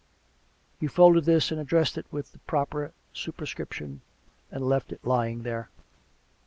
He folded this and addressed it with the proper superscription; and left it lying there.